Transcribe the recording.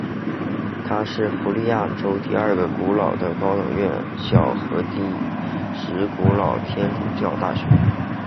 它也是加利福尼亚州第二古老的高等院校和第十古老的天主教大学。